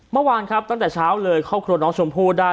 เมื่อวานครับตั้งแต่เช้าเลยครอบครัวน้องชมพู่ได้